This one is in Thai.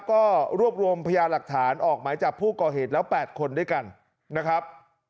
ก็รวบรวมพยาหลักฐานออกหมายจับผู้ก่อเหตุแล้ว๘คนด้วยกันนะครับ